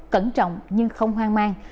cẩn trọng nhưng không hoang mang